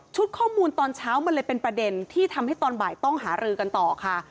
ข้อมูลตอนเช้ามันเลยเป็นประเด็นที่ทำให้ตอนบ่ายต้องหารือกันต่อค่ะ